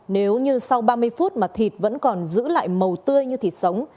nếu như sau ba mươi phút mà thịt vẫn còn giữ lại màu tươi như thịt sống